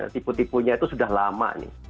tipu tipunya itu sudah lama nih